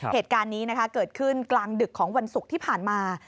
เหตุการณ์นี้เกิดขึ้นกลางดึกของวันศุกร์ที่ผ่านมา